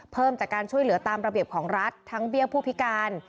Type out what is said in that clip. เพิ่มจากการช่วยเหลือตามระเบียบของรัฐทั้งเบี้ยผู้พิการ